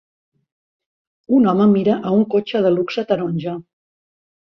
Un home mira a un cotxe de luxe taronja.